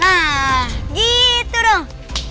nah gitu dong